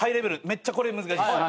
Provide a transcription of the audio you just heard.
めっちゃこれ難しい。